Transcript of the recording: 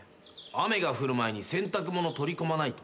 「雨が降る前に洗濯物取り込まないと」